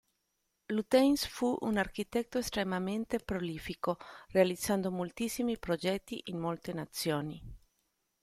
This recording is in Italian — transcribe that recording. Lutyens fu un architetto estremamente prolifico realizzando moltissimi progetti in molte nazioni.